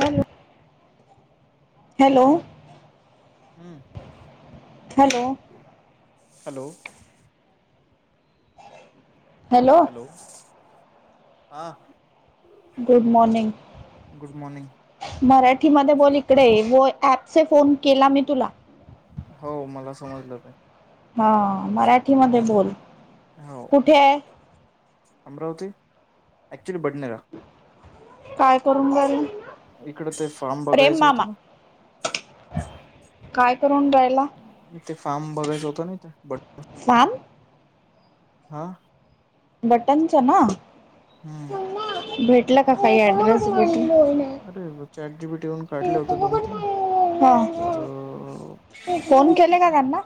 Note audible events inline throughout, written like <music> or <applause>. Hello. Hello हम्म हम्म. Hello. Hello. Hello. हा. Good morning. गुड मॉर्निंग मराठीमध्ये बोल इकडे व ऍपसे फोन केला मी तुला हो मला समजलं ते हा मराठीमध्ये बोल हो कुठे आहे. अमरावती ॲक्चुली बडनेरा काय करून राहिली. इकडं ते फार्म बघायचं होतं ना. काय करून राहायला. ते फार्म बघायच होतं ना ते ब फॉम. हा. बटनच ना हम्म भेटल का काही ऍड्रेस भेट अरे चॅट जी बी ठेवून काढले होते दोन तीन तर फोन केले का त्यांना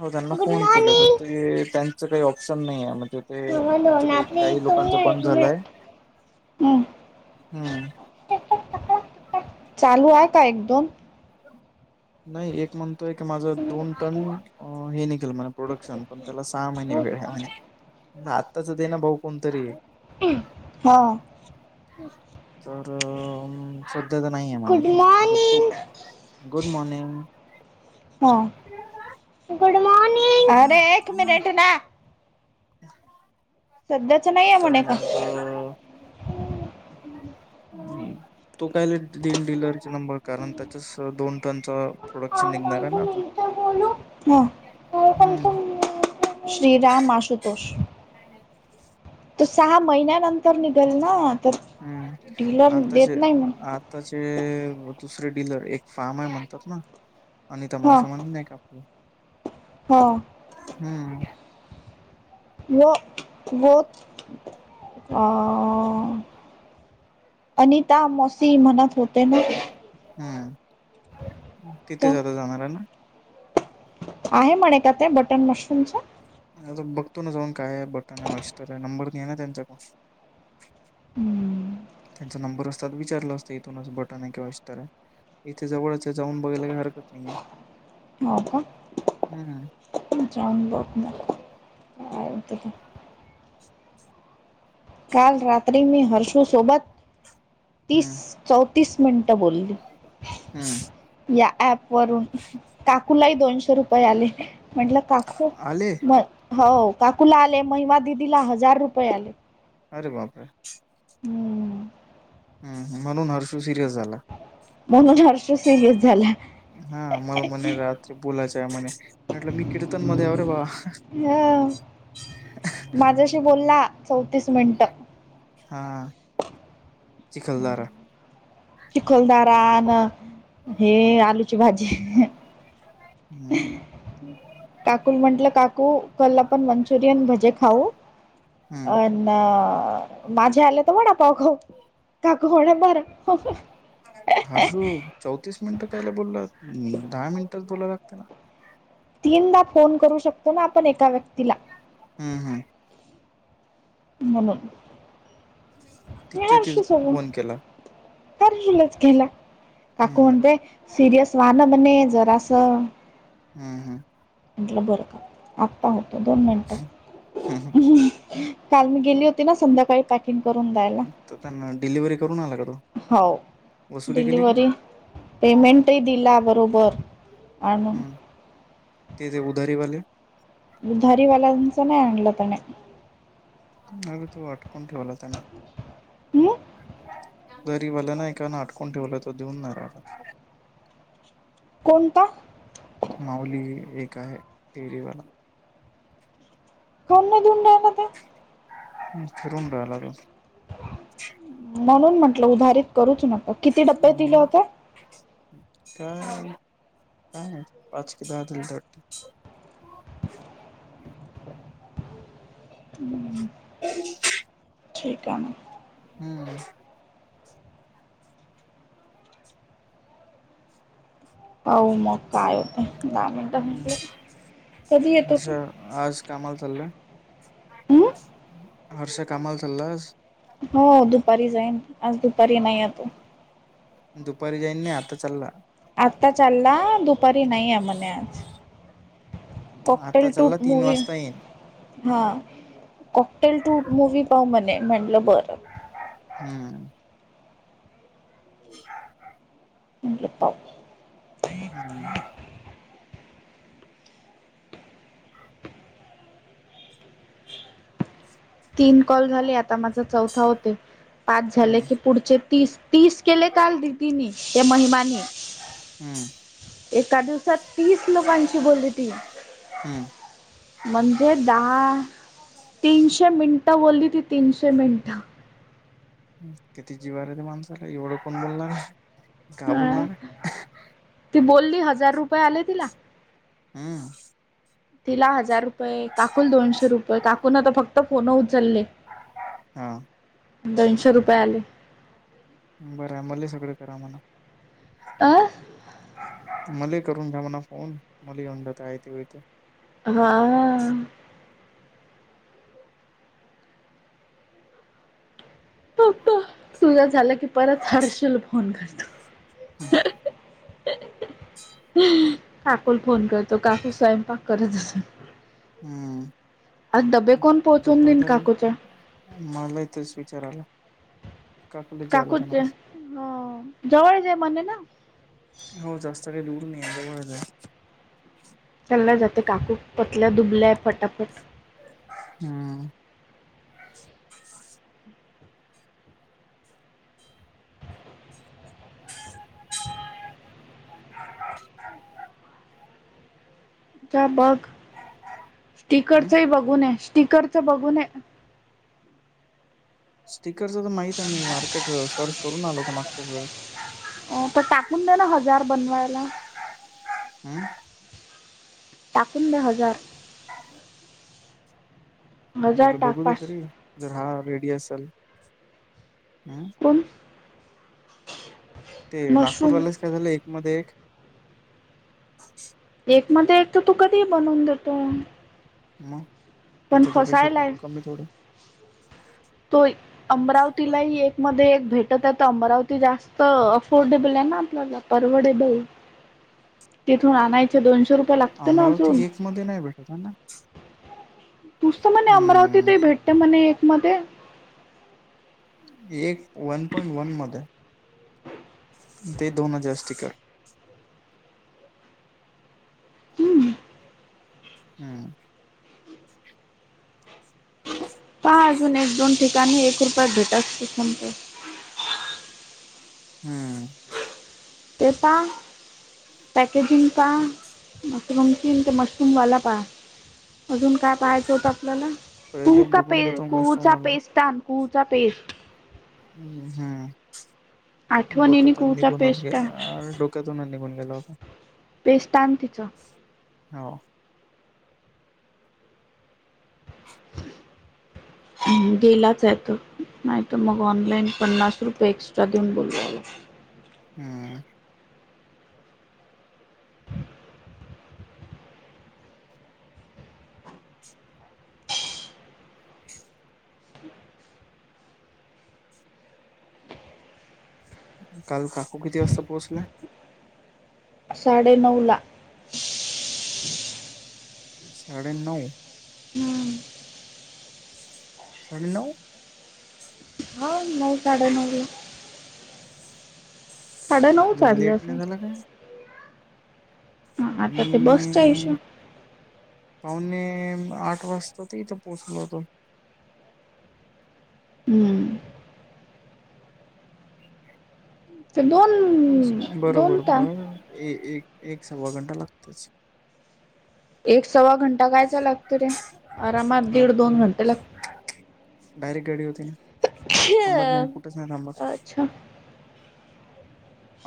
हो त्यांना गुड फोन केला तर मॉर्निंग ते त्यांच काही ऑप्शन नाहीे म्हणजे. ते त्यांचं दोन काही आपले काही लोकांच बंद इथून झालंय हम्म हम्म चालू आहे का एकदोन नाही एक म्हणतोय की माझ दोन टन हे निघेल म्ह प्रोडक्शन पण त्याला सहा महिने वेळ म्ह आत्ताच दे ना भाऊ कोणतरी हा. अच्. तर सध्या तर नाही आहे म्हणे गुड आता तो मॉर्निंग गुड मॉर्निंग हा गुडमॉर्निंग अरे एक मिनिट ना सध्याच नाहीये तर म्हणे का मग. ् तो कायला न डीललरचा नंबर कारण त्याच्याच दोन टनचा आ प्रोडक्शन पै निघणार आहे ना आता नाही बोलू का पैसे हम्म <unintelligible> श्रीराम आशुतोष ह तू सहा महिन्यानंतर निघल ना तर हम्म डीलर आता देत ज नाही मग आ आताचे दुसरे डीलर एक फार्म आहे म्हणतात ना आणि त माझ हा समान नाही कापलं हा. व व अ अनिता मॉसी म्हनात होते ना. हम्म तिथे तर जात जाणार आहे ना. आहे म्हणे का ते बटर मशरूमच आ बघतो ना जाऊन काय आहे बटन आहेशतर आहे नंबर नाही आहे ना त्यांचा पण हम्म. त्यांचा नंबर असतात विचारला असतं इथून असं बटन आहे किंवा इतर आहे. इथे जवळचे जाऊन बघायला काही हरकत नाहीेये हो का. हम्. जाऊन बक नाते का काल रात्री मी हर्षू सोबत तीस हम्म चौतीस मिनटं बोलली. हम्म या प वरून काकूलाही दोनशे रुपये आले म्हटलं. काकू आले म हो काकूला आले महिमा दिदीला हजार रुपये आले. अरे बापरे. हम्म <unintelligible> हम म्हणून हर्षू सिरियस झाला. म्हणून हर्ष सिरियस झाला. हा मला म्हणे रात्री बोलायच आहे म्हणे म्हटलं मी कीर्तन मध्ये आ रे बा ह माझ्याशी बोलला चौतीस मिनिटं हा चिखलदारा. चिखलदारान हे आलूची भाजी. हम्म <inaudible> काकूल म्हंटलं काकू कल आपण मंचुरियन भजे खाऊ अ. हम्म न माझे आले तर म्हणा पा ख काकण बर. हर्षू चौतीस मिनिटं कायला बोलला दहा मिनिटच बोला लागते ना. तीनदा फोन करू शकतो ना आपण एका व्यक्तीला. हम्म हम्. ह <inaudible> तिच्या तच फोन केला. कार र लचकला काक हम्म म्हणते. सिरियस वा ना म्हणे जरासं. हम् हम. म्हटलं बरं का आत्ता होतो दोन मिनटं. हम्म काल मी गेली होती ना संध्याकाळी पा. करून दयला हम्म तर त्यांना डिलिव्हरी करून आला का तो हो वसुली केली की डिलव्हरी. पेमेंटही दिला बरोबर. आणून हम्म ते ते उदारीवाले. दुधारीवाल्यांच नाही आणलं त्याने. अग तो वाटकून ठेवला त्याना. ह. गरीवाल्या ना एकां आटकून ठेवलं तो देऊन नाही. कोणता. माऊली एक आहे टरीवाला. कोंड धुंड आहेता. ह फरडयला. म्हणून म्हंटलं उधारित करूच नक किती डब्पे दिले हम्म होत. काय काय पाच कि दहाध. हम्म <inaudible> अ <unintelligible> ठीक आहे ना. हम्म. पाह मग काय होतं दहा मिनटं हम्म म्हटले कधी येतो तू. हर्षा आज कामाल चालला हम्म हर्ष कामाल चालला आज. हो दुपारी जाईन आज दुपारी नाही आ तो. दुपारी जाईन नाही आता चाला. आत्ता चालला दुप. उपारी नाही आहे म्हणे आज कॉकटेल आता टू चालला तीन मूवी. वाजता येईन हा कॉकटेल टू मूवी पाऊ म्हणे म्हटलं बर. हम्म ह मले पाव हम् तीन कॉल झाले आता माझा चौथा होते पाच झाले हम्म की पुढचे तीस तीस केले आल दिदीनी त्या महिमाने हम्म एका दिवसात तीस लोकांची बोलली ती. हम्म म्हणजे दहा तीनशे मिनिटं बोलली ती तीनशे मिनिटं. किती जीवाार आहे ते माणसाला एवढं कोण बोलणार. का हा बोलणार आहे ती बोलली हजार रुपये आले तिला. हम्. तिला हजार रुपये काकूल दोनशे रुपये काकूून तर फक्त फोन उचलले. हम <inaudible> दोनशे रुपये आले बरं आहे मल सगळं करा मणा आ मला करून घ्या म्हणा फोन मला येऊन जात आहे ते हो ते ह प तुझ झालं की परत हर्षल फोन करतो हम् काकोल फोन करतो काकू स्वयंपाक करत असो डबे ह कोण पोहोचून देईन डबादल काकूच्या मलाही तरच विचारायला काकूच हो जवळ जे म्ह ना हो जास्त काही दूर नाही अजळ चालल्या जाते काकू पतल्या दुबल्याय फटाफट हम्म बघ हम्म स्टकररचही बघूने स्टकरच बघूनय स्टिककरच तर माहित आहे मी मार्केट सर्च करून आलोत मागच्या सळ. हो प टाकून दे्या ना हजार बनवायला हम्म टकून द हजार हा हजार पहिलं टाक बघूत पाच खरी जर हा रेडी असेल हम पण ते मशरूम नागपूरवाल्यास काय झालं एक मध्ये एक एक मध्ये एक तर तू कधी बनवून देतो मग पण इथं त्या पेक्षा प फसायलाय कमी थोडं तो अमरावतीलाही एक मध्ये एक भेटत आहे तर अमरावती जास्त अफोर्डेबल आहे ना आपल्या ज परवडे बल तिथून आणायचे दोनशे रुपये लागते ना मरा ठीक अजून एकमध्ये नाही बेठ तयना तुसतं म्हणे अमरावतीतही भेटते म्हणे एक मध्ये एक वन पॉइंट वन मध्ये ते दोन <unintelligible> हम्म हम्म पहा अजून एक दोन ठिकाणी एक रुपया भेटाच <unintelligible> हम्म ते पहा. पॅकेजिंग पा मशरूमचीन ते मशरूमवाला पा. अजून काय पाहायचं होत आपल्याला कु पहिले का पे बघून घेतो मस्त कुचा पेस्ता. कू चा पेस्ट हम् हम्म आठवणीने डोक्यात कुहूचा निघूनच पेस्ट आण <unintelligible> क्या तून निघून गेला होता. पेस्ट आहे तिचं हो. गेलाच आहे तो नाही तर मग ऑनलाईन पन्नास रुपये एक्स्ट्रा देऊन बोलूयला हम्म. काल काकू किती वाजता पोचल्या? साडे नऊ ला. साडे नऊ. हम्म. साडे नऊ. नाही काढण घे. <inaudible> साडे नऊच लेट वाजल्यात. नाही झाला काय हा आता मी ते बसच्या हिशो पावणे आठ वाजता ते इथे पोहोचलो होतो. हम्म ते दोन दोन बरोबर ता बर एक एक सव्वा घंटा लागतच. एक सव्वा घंटा कायचा लागत रे आरामात दीड लागते दोन घंटे लागते. डायरेक्ट गाडी होती ना थांबत नाही कुठेच नाही थांबात. अच्छा.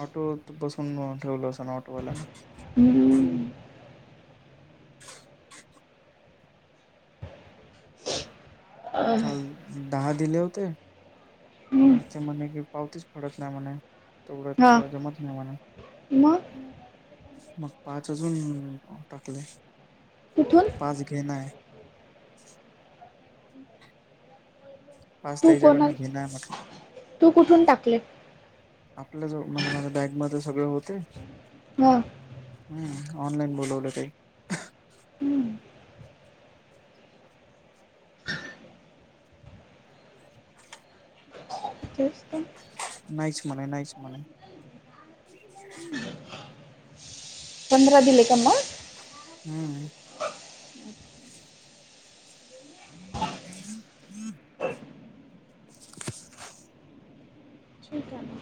ऑटोत बसून ठेवल असनं ऑटोवाल्यानं. हम्म. काल दहा दिले होते हम्म मग ते म्हणे कि पावतीच फाडत नाही म्हणे. तेवढंत हा जमत नाही मला मग मग पाच अजून टाकलेय कुठून पाच घेन आहे. पाच तू कोणा तेज्याकडनं घेणं म्हटलं. तू कुठून टाकले आपल्या ज म्हणजे माझ्या बॅगमध्ये सगळे होते. हं. हम्म ऑनलाईन बोलवलं ते. हम्म तेच ते. नाहीस म्हणे नाहीस म्हणे. पंधरा दिले त्यांना? हम्म. <inaudible> ठीक आहे.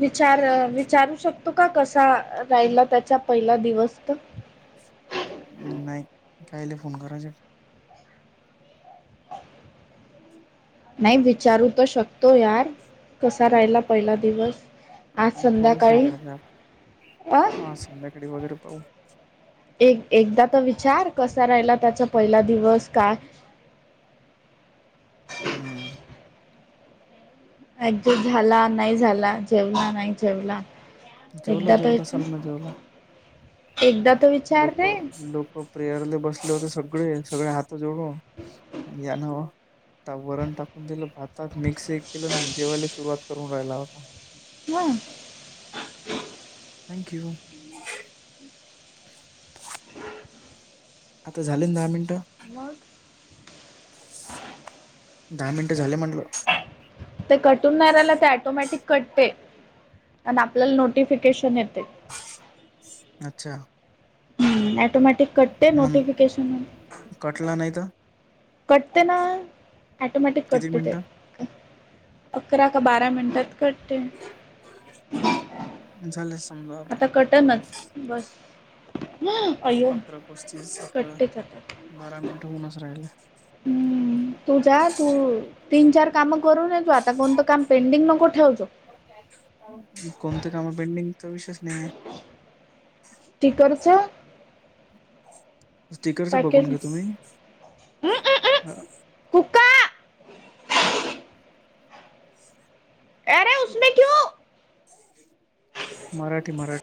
विचार विचारू शकतो का कसा राहिला त्याचा पहिला दिवस त नाही कायले फोन करायच. नाही विचारू तर शकतो यार कसा राहिला पहिला दिवस. आज फोनच नाही संध्याकाळी करत अ हा संध्याकाळी वगैरे पाहू. एक एकदा तर विचार कसा राहिला त्याचा पहिला दिवस का हम्म. एकदेट झाला नाही झाला जेवला नाही जेवला. जेवला एकदा तर जेवला सनना विचार जेवला एकदा तर विचार लोक रे लोक हो प्रेयरले बसले होते सगळे सगळे हात जोडून या नव वरण टाकून दिलं भात त मिक्स एक केलं जेवायला सुरुवात करून राहिला होता. होय. Thank you. आता झाले दहा मिनिटं. मग दहा मिनिट झाले म्हटलं ते कटूनाऱ्याला ते ऐटोमॅटिक कटते आणि आपल्याला नोटिफिकेशन येते. अच्छा. हम्म ॲटोमॅटिक मग कटला नाही तर. कटतेना टोमॅटिक किती कटते ते. मिनिटं अकरा का बारा मिनिटात कटते. झाले समजा आता त्याच बस <unintelligible> अय्यो अकरा पस्तीस अकरा कटतेच आता बारा मिनिट होऊनच राहिल हम्म तुझ तू तीन चार काम करून येतो आता कोणतं काम पेंडिंग नको ठेवू कोणत्या काम पेंडिंगचा विषेय नाहीय टीकरचा स्टिकरच बघून घेतो मी कुका अरे उसमे क्यो मराठी मराठी